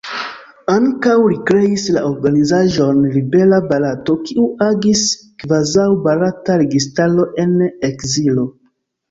Ankaŭ li kreis la organizaĵon Libera Barato, kiu agis kvazaŭ barata registaro en ekzilo.